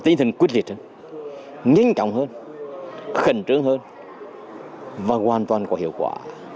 tính thần quyết liệt nhanh chóng hơn khẩn trương hơn và hoàn toàn có hiệu quả